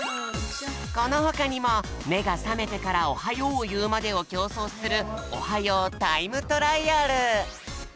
このほかにもめがさめてからおはようをいうまでをきょうそうする「おはようタイムトライアル」。